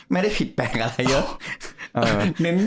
ไม่ปิดแปลกอะไรเยอะ